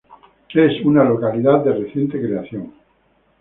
Es una localidad de reciente creación.